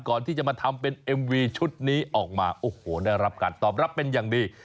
ก่อนที่จะมาทำเป็นเอ็มวีชุดนี้ออกมาโอ้โหได้รับการตอบรับเป็นอย่างดี